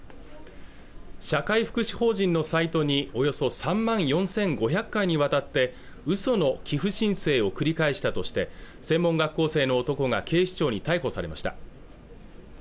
社会福祉法人のサイトにおよそ３万４５００回にわたって嘘の寄付申請を繰り返したとして専門学校生の男が警視庁に逮捕されました